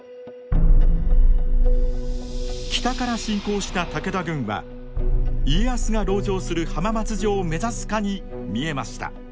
北から侵攻した武田軍は家康が籠城する浜松城を目指すかに見えました。